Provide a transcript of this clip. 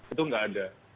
itu nggak ada